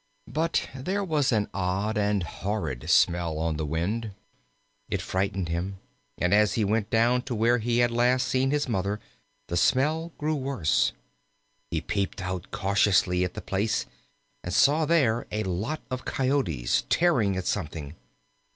But there was an odd and horrid smell on the wind. It frightened him, and as he went down to where he last had seen his Mother the smell grew worse. He peeped out cautiously at the place, and saw there a lot of Coyotes, tearing at something.